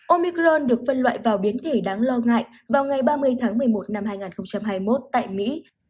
omicron được phân loại vào biến thể đáng lo ngại vào ngày ba mươi tháng một mươi một năm hai nghìn hai mươi một tại mỹ